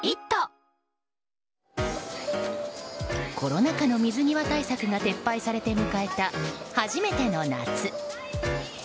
コロナ禍の水際対策が撤廃されて迎えた初めての夏。